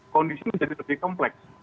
kondisi menjadi lebih kompleks